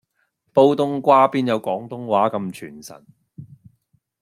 煲東瓜邊有廣東話咁傳神